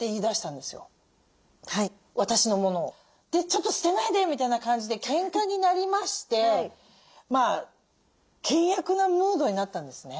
「ちょっと捨てないで！」みたいな感じでけんかになりまして険悪なムードになったんですね。